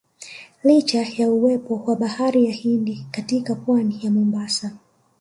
Licha ya uwepo wa bahari ya Hindi katika Pwani ya Mombasa